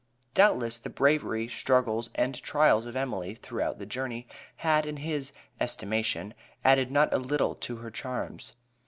Doubtless, the bravery, struggles, and trials of Emily throughout the journey, had, in his estimation, added not a little to her charms.